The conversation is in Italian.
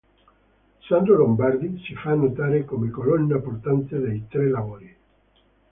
Sandro Lombardi si fa notare come colonna portante dei tre lavori.